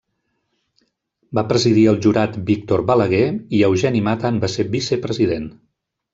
Va presidir el jurat Víctor Balaguer, i Eugeni Mata en va ser vicepresident.